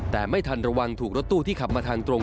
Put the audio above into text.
แต่ไม่ทันระวังถูกรถตู้ที่ขับมาทางตรง